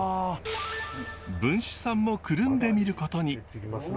文枝さんもくるんでみることに。